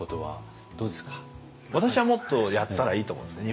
私はもっとやったらいいと思うんですね。